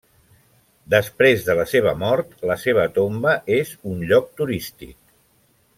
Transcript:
Després de la seva mort la seva tomba és un lloc turístic.